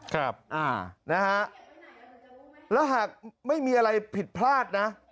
ครับอ่านะฮะแล้วหากไม่มีอะไรผิดพลาดนะ